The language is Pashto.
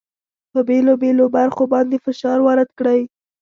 په بېلو بېلو برخو باندې فشار وارد کړئ.